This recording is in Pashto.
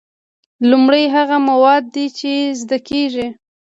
لومړی هغه مواد دي چې زده کیږي.